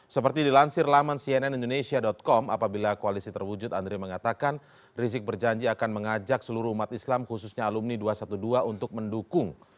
seperti dilansir laman cnnindonesia com apabila koalisi terwujud andre mengatakan rizik berjanji akan mengajak seluruh umat islam khususnya alumni dua ratus dua belas untuk mendukung